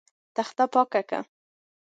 تخته پاکه ده.